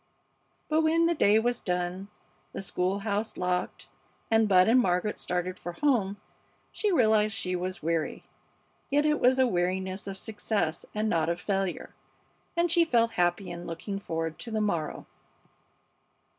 But when the day was done, the school house locked, and Bud and Margaret started for home, she realized that she was weary. Yet it was a weariness of success and not of failure, and she felt happy in looking forward to the morrow.